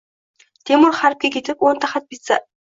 Temur harbga ketib, o’nta xat bitsa: